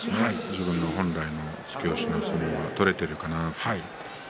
自分本来の突き押しの相撲が取れているかな。